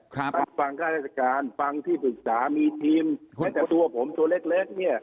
ต้านฟังฆ่าศาสตร์การฟังที่ศึกษามีทีมแต่แต่ตัวผมตัวเล็กเนี่ย